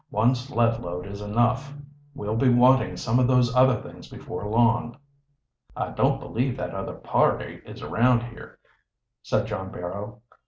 One sled load is enough. We'll be wanting some of those other things before long." "I don't believe that other party is around here," said John Barrow.